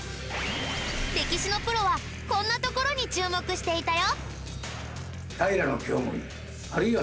歴史のプロはこんなところに注目していたよ。